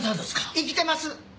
生きてます！